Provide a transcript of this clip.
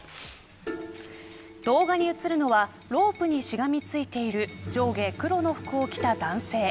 動画に映るのはロープにしがみついている上下黒の服を着た男性。